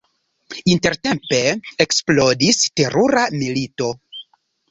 Intertempe eksplodis terura milito.